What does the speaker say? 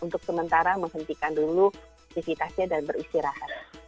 untuk sementara menghentikan dulu aktivitasnya dan beristirahat